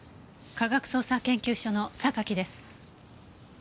科学捜査研究所の榊です。